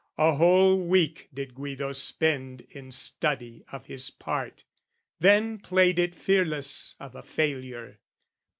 A whole week Did Guido spend in study of his part, Then played it fearless of a failure.